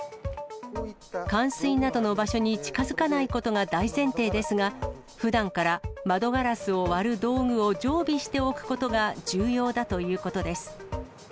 冠水などの場所に近づかないことが大前提ですが、ふだんから窓ガラスを割る道具を常備しておくことが重要だということです。